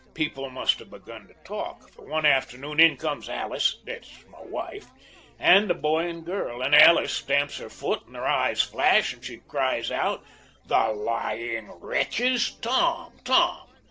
People must have begun to talk, for one afternoon in comes Alice that's my wife and the boy and girl, and Alice stamps her foot, and her eyes flash, and she cries out, 'The lying wretches Tom, Tom!'